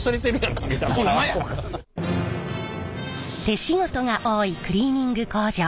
手仕事が多いクリーニング工場。